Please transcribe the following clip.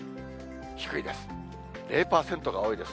低いです。